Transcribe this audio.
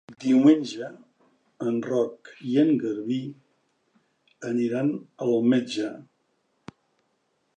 Diumenge en Roc i en Garbí aniran al metge.